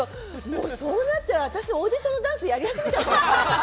もうそうなったら私のオーディションのダンスやり始めちゃうかもしれない。